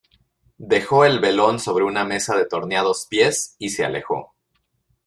dejó el velón sobre una mesa de torneados pies, y se alejó: